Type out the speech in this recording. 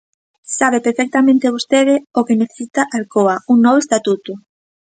Sabe perfectamente vostede o que necesita Alcoa: un novo estatuto.